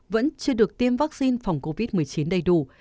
vẫn chưa được tiêm vaccine phòng covid một mươi chín đầy đủ